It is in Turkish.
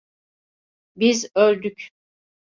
Biz öldük.